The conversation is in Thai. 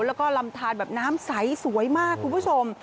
แล้วก็ลำทานแบบน้ำใสสวยมากคุณผู้ชม